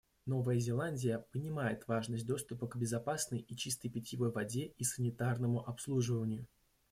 Новая Зеландия понимает важность доступа к безопасной и чистой питьевой воде и санитарному обслуживанию.